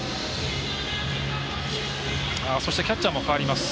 そしてキャッチャーも代わります。